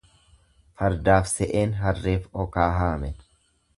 Fardaaf se'een harreef okaa haame.